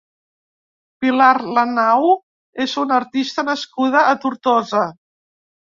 Pilar Lanau és una artista nascuda a Tortosa.